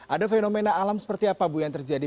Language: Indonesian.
ada fenomena alam seperti apa bu yang terjadi